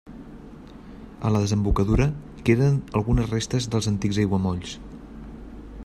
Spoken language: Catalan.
A la desembocadura queden algunes restes dels antics aiguamolls.